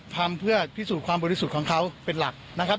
ทำเพื่อพิสูจน์ความบริสุทธิ์ของเขาเป็นหลักนะครับ